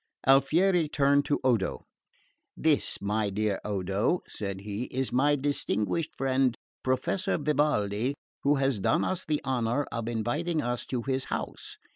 Alfieri turned to Odo. "This, my dear Odo," said he, "is my distinguished friend, Professor Vivaldi, who has done us the honour of inviting us to his house."